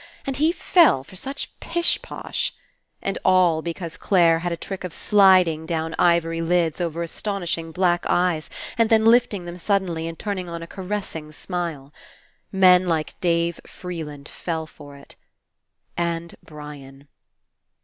And he fell for such pish posh ! And all because Clare had a trick of sliding down ivory lids over astonishing black eyes and then lift ing them suddenly and turning on a caressing smile. Men like Dave Freeland fell for it. And Brian.